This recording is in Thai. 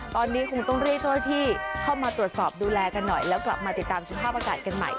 ตอนนี้คงต้องเรียกเจ้าหน้าที่เข้ามาตรวจสอบดูแลกันหน่อยแล้วกลับมาติดตามสภาพอากาศกันใหม่